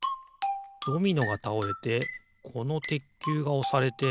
ドミノがたおれてこのてっきゅうがおされて。